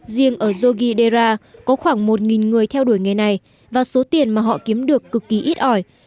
riêng ở joggidera có khoảng một người theo đuổi nghề này và số tiền mà họ kiếm được cực kỳ ít ỏi